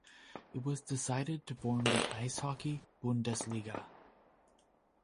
It was decided to form the "Eishockey Bundesliga".